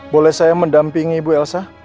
boleh saya mendampingi ibu elsa